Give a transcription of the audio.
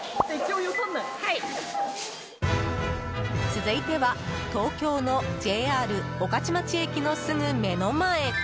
続いては東京のＪＲ御徒町駅のすぐ目の前。